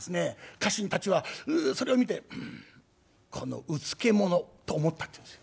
家臣たちはそれを見て「このうつけ者」と思ったっていうんですよ。